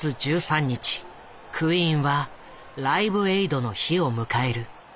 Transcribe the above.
クイーンは「ライブエイド」の日を迎える。